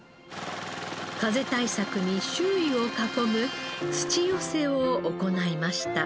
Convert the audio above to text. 風対策に周囲を囲む土寄せを行いました。